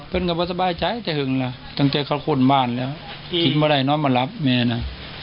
เป็นคำว่าสบายใจแต่หึงนะตั้งแต่เขาค้นบ้านแล้วคิดไม่ได้น้อยมารับแม่นะ